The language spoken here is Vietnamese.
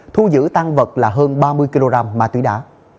thu giữ tăng vật là hơn ba mươi kg ma túy đá